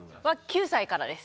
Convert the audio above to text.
９歳からです。